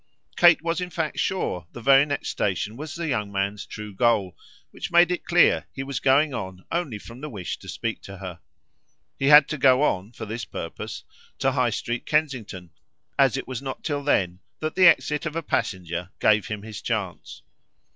Kate was in fact sure the very next station was the young man's true goal which made it clear he was going on only from the wish to speak to her. He had to go on, for this purpose, to High Street Kensington, as it was not till then that the exit of a passenger gave him his chance.